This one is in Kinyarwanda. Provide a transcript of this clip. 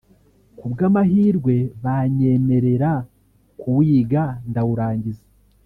kubw’amahirwe banyemerera kuwiga ndawurangiza